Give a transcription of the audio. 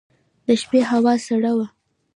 د شپې هوا سړه وه.